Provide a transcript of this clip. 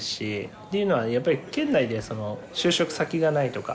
っていうのはやっぱり県内で就職先がないとか。